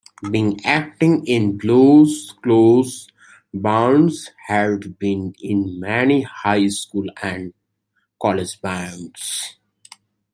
Before acting in "Blue's Clues", Burns had been in many high-school and college bands.